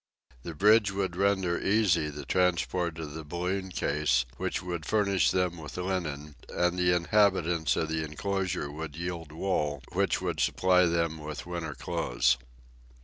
The bridge would render easy the transport of the balloon case, which would furnish them with linen, and the inhabitants of the enclosure would yield wool which would supply them with winter clothes.